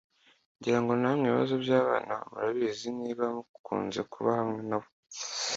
ngirango namwe ibibazo by’abana murabizi niba mukunze kuba hamwe na bo,